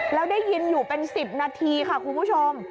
แล้วได้ยินอยู่เป็น๑๐นาทีค่ะคุณผู้ชม